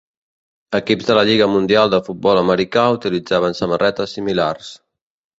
Equips de la Lliga Mundial de Futbol Americà utilitzaven samarretes similars.